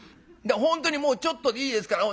本当にもうちょっとでいいですから。